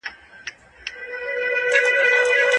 ډله ییزې هیلې باید وساتل سي.